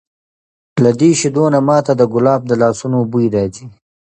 له دې شیدو نه ما ته د کلاب د لاسونو بوی راځي!